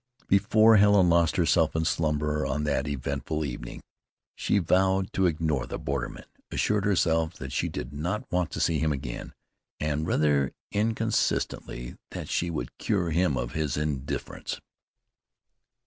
Before Helen lost herself in slumber on that eventful evening, she vowed to ignore the borderman; assured herself that she did not want to see him again, and, rather inconsistently, that she would cure him of his indifference.